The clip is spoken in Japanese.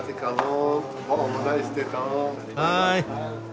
はい。